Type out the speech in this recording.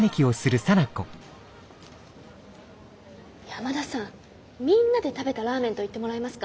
山田さん「みんなで食べたラーメン」と言ってもらえますか？